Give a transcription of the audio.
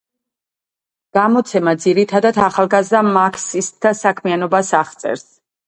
გამოცემა ძირითადად ახალგაზრდა მარქსისტთა საქმიანობას აღწერს.